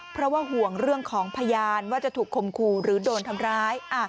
เพราะว่าห่วงเรื่องของพยานว่าจะถูกคมคู่หรือโดนทำร้าย